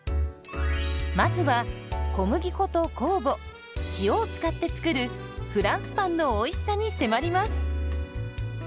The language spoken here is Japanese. まずは小麦粉と酵母塩を使って作るフランスパンのおいしさに迫ります。